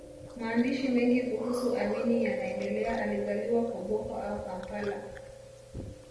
Maandishi mengi kuhusu amini yanaeleza alizaliwa Koboko au Kampala